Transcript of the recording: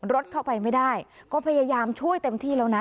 รถเข้าไปไม่ได้ก็พยายามช่วยเต็มที่แล้วนะ